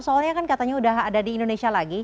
soalnya kan katanya udah ada di indonesia lagi